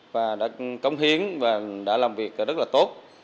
và đã cống hiến và đã làm việc rất là tốt